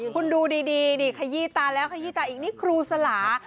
คุณดูดีนี่ขยี้ตาแล้วขยี้ตาอีกนี่ครูสลา